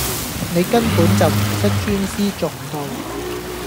你根本就唔識專師重道